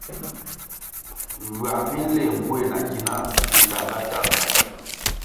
Ywăh mi nléh nguéh na ki nah bitahngatanhga.